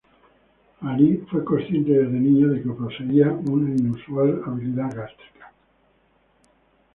Ali fue consciente desde niño de que poseía una inusual habilidad gástrica.